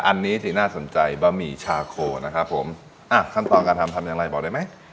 อันนี้ที่น่าสนใจบะหมี่ชาโคนะครับผมอ่ะขั้นตอนการทำทำอย่างไรบอกได้ไหม